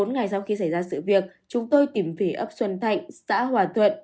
bốn ngày sau khi xảy ra sự việc chúng tôi tìm về ấp xuân thạnh xã hòa thuận